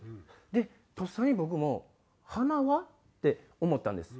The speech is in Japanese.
でとっさに僕も「鼻は？」って思ったんです。